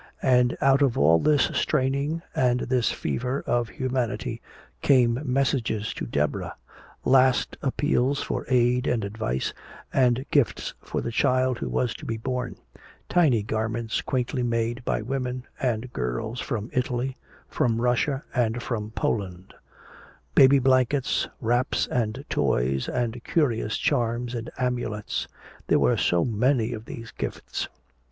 And out of all this straining and this fever of humanity, came messages to Deborah: last appeals for aid and advice, and gifts for the child who was to be born; tiny garments quaintly made by women and girls from Italy, from Russia and from Poland; baby blankets, wraps and toys and curious charms and amulets. There were so many of these gifts.